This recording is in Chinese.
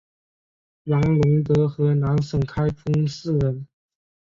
王陇德河南省开封市人。